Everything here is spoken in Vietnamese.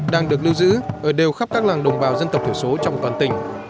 đang được lưu giữ ở đều khắp các làng đồng bào dân tộc thiểu số trong toàn tỉnh